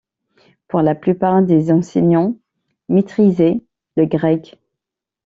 Pour la plupart des enseignants maîtrisaient le grec.